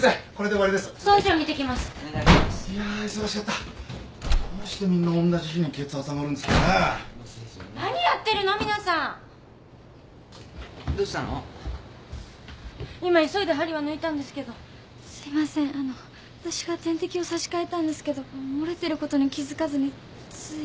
わたしが点滴を刺し替えたんですけど漏れてることに気づかずについ。